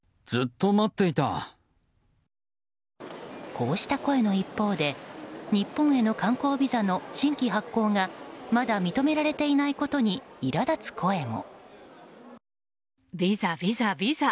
こうした声の一方で日本への観光ビザの新規発行がまだ認められていないことにいら立つ声も。